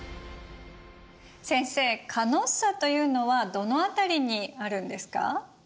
先生カノッサというのはどの辺りにあるんですか？